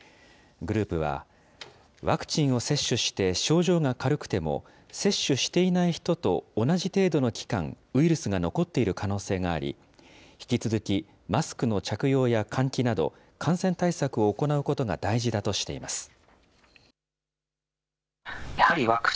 グループは、ワクチンを接種して症状が軽くても、接種していない人と同じ程度の期間、ウイルスが残っている可能性があり、引き続きマスクの着用や換気など、感染対策を行うことが大事だとしています。